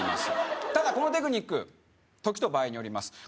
ただこのテクニック時と場合によります